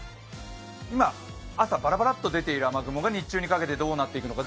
今、朝、ぱらぱらっと出ている雨雲が日中にかけて、どうなっていくのか。